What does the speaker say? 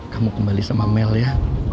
kamu kembali sama mel ya